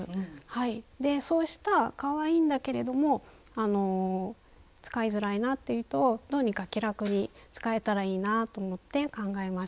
そうしたかわいいんだけれども使いづらいなって糸をどうにか気楽に使えたらいいなぁと思って考えました。